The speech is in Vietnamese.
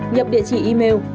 nhập địa chỉ email